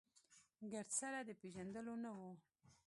ګرد سره د پېژندلو نه و.